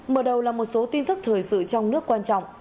mở đầu là một số tin tức thời sự trong nước quan trọng